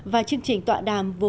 và chương trình tọa đàm